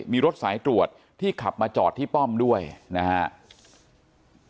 มีรถสายตรวจที่ขับมาจอดที่ป้อมด้วยนะครับ